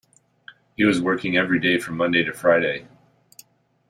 He was working every day from Monday to Friday